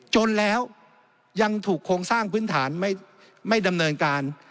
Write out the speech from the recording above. จนแล้วยังถูกโครงสร้างพื้นฐานไม่ดำเนินการ